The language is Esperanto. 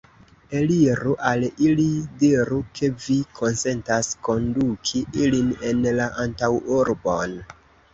Eliru al ili, diru, ke vi konsentas konduki ilin en la antaŭurbon!